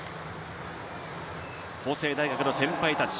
法政大学の先輩たち。